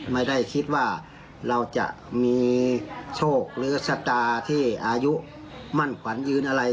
ไม่ได้คิดว่าเราจะมีโชคหรือชะตาที่อายุมั่นขวัญยืนอะไร